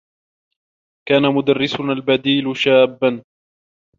كان مدرّسنا البديل شابّا.